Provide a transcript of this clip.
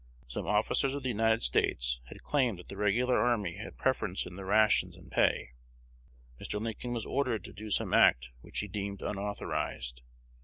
Some officers of the United States had claimed that the regular army had a preference in the rations and pay. Mr. Lincoln was ordered to do some act which he deemed unauthorized.